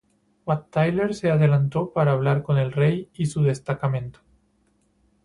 Wat Tyler se adelantó para hablar con el rey y su destacamento.